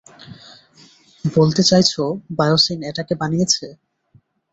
বলতে চাইছো বায়োসিন এটাকে বানিয়েছে?